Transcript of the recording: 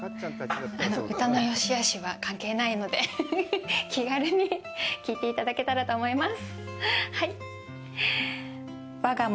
歌のよしあしは関係ないので気軽に聞いていただけたらと思います。